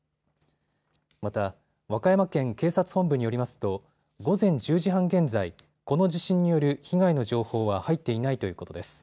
また和歌山県警察本部によりますと午前１０時半現在この地震による被害の情報は入っていないということです。